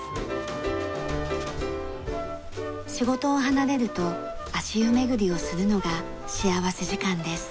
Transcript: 仕事を離れると足湯巡りをするのが幸福時間です。